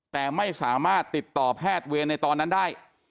แต่ไม่สามารถติดต่อแพทย์เวรในตอนนั้นได้